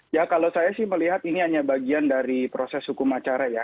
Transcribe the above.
ya kalau saya sih melihat ini hanya bagian dari proses hukum acara ya